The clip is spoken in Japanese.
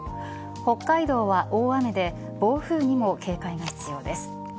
北海道は大雨で暴風にも警戒が必要です。